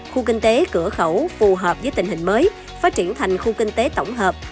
khu kinh tế cửa khẩu phù hợp với tình hình mới phát triển thành khu kinh tế tổng hợp